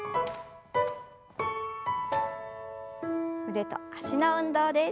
腕と脚の運動です。